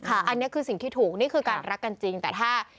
อันนี้คือสิ่งที่ถูกนี่คือการรักกันจริงแต่ถ้า